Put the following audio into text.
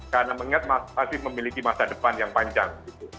karena mengingat masih memiliki masa depan yang panjang